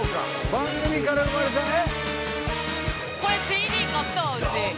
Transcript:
番組から生まれたね」